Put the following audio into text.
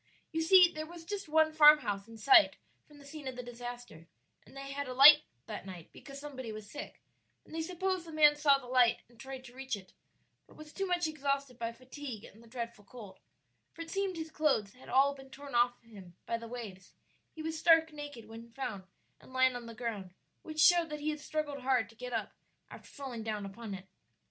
You see there was just one farmhouse in sight from the scene of the disaster, and they had alight that night because somebody was sick; and they supposed the man saw the light and tried to reach it, but was too much exhausted by fatigue and the dreadful cold, for it seemed his clothes had all been torn off him by the waves; he was stark naked when found, and lying on the ground, which showed that he had struggled hard to get up after falling down upon it.